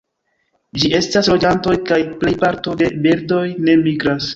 Ĝi estas loĝantoj, kaj plej parto de birdoj ne migras.